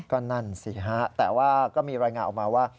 ก็นั่นสิฮะแต่ว่าก็มีรายงานออกมาว่า